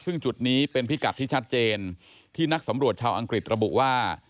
ซึ่งจุดนี้เป็นพิกัดที่ชัดเจนที่นักสำรวจชาวอังกฤษระบุว่า